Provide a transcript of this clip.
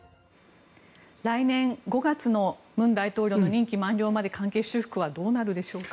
来年５月の文大統領の任期満了まで関係修復はどうなるでしょうか。